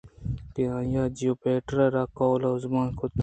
کہ آئی ءَ جیوپیٹرءَ را قول ءُ زُبان کُت